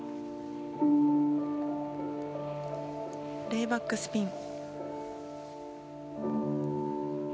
レイバックスピン。